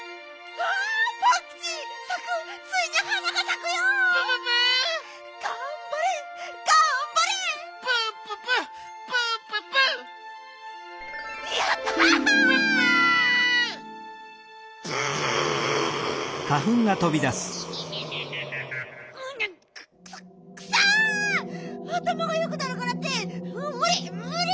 あたまがよくなるからってむり！